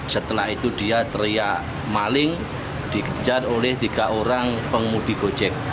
setelah itu dia teriak maling dikejar oleh tiga orang pengemudi gojek